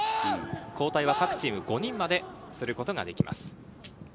交代は各チーム５人まですることができます。